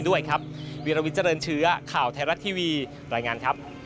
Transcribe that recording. วิลวิเจริญเชื้อข่าวไทยรัฐทีวีรายงานครับ